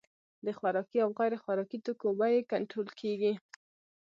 د خوراکي او غیر خوراکي توکو بیې کنټرول کیږي.